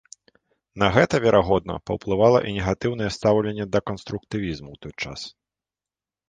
На гэта, верагодна, паўплывала і негатыўнае стаўленне да канструктывізму ў той час.